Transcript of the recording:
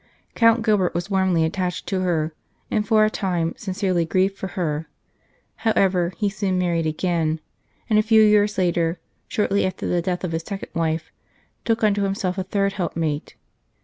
Count Gilbert was warmly attached to her, and for a time sincerely grieved for her ; however, he soon married again, and a few years later, shortly after the death of his second wife, took unto himself a third helpmate.